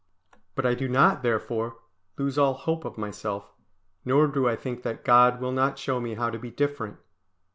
But I do not, therefore, lose all hope of myself, nor do I think that God will not show me how to be different.